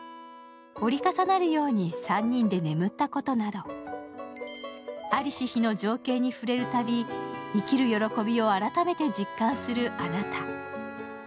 折り重なるように３人で眠ったことなど、在りし日の情景に触れるたび、生きる喜びを改めて実感する「あなた」。